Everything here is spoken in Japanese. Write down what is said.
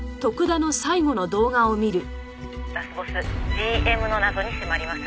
「ラスボスＧＭの謎に迫ります」